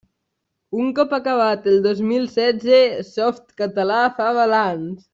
Un cop acabat el dos mil setze, Softcatalà fa balanç.